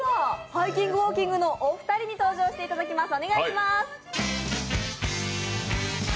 ハイキングウォーキングのお二人に登場していただきます。